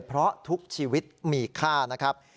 เพราะทุกชีวิตมีค่านะครับ